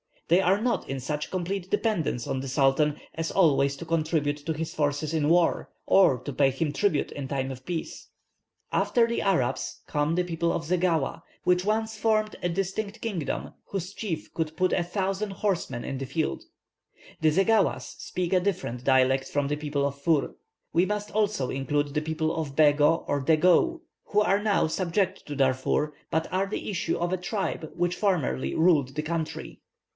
They are not in such complete dependence on the Sultan as always to contribute to his forces in war, or to pay him tribute in time of peace." After the Arabs come the people of Zeghawa, which once formed a distinct kingdom, whose chief could put a thousand horsemen in the field. The Zeghawas speak a different dialect from the people of Für. We must also include the people of Bego or Dageou, who are now subject to Darfur, but are the issue of a tribe which formerly ruled the country.